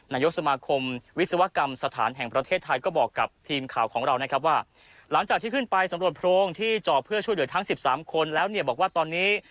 นายกสมาคมวิศวกรรมสถานแห่งประเทศไทยก็บอกกับทีมข่าวของเรานะครับว่าหลังจากที่ขึ้นไปสำรวจโพรงที่เจาะเพื่อช่วยเหลือทั้ง๑๓คนแล้วเนี่ยบอกว่าตอนนี้